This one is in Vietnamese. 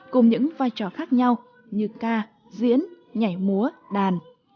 cùng những vai trò khác nhau như ca diễn nhảy múa đàn